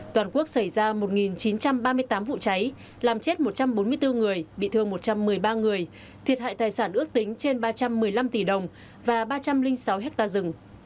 toàn quốc xảy ra một chín trăm ba mươi tám vụ cháy làm chết một trăm bốn mươi bốn người bị thương một trăm một mươi ba người thiệt hại tài sản ước tính trên ba trăm một mươi năm tỷ đồng và ba trăm linh sáu hectare rừng